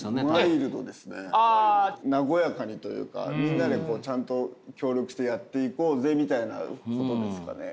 和やかにというかみんなでこうちゃんと協力してやっていこうぜみたいなことですかね？